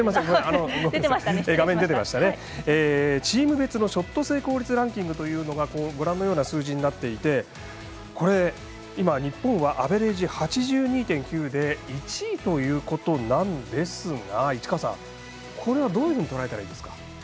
チーム別ショット成功率ランキングというのがご覧のような数字になっていて今、日本はアベレージ８２．９で１位ということなんですがこれはどういうふうにとらえたらいいですか？